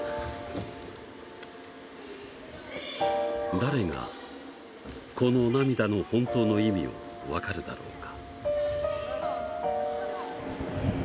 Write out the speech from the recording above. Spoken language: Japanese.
誰がこの涙の本当の意味を分かるだろうか。